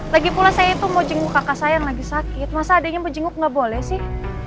lagipula saya itu mau jenguk kakak saya yang lagi sakit masa adeknya mau jenguk gak boleh sih